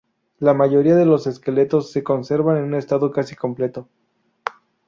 La mayoría de los esqueletos se conservan en un estado casi completo.